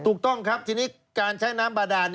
ถูกต้องครับทีนี้การใช้น้ำบาดาน